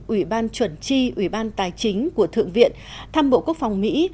ủy ban chuẩn tri ủy ban tài chính của thượng viện thăm bộ quốc phòng mỹ